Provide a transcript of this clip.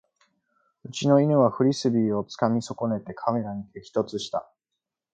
うちの犬はフリスビーをつかみ損ねてカメラに激突した